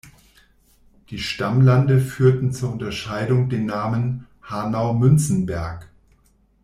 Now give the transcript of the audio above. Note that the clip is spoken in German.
Die Stammlande führten zur Unterscheidung den Namen "Hanau-Münzenberg".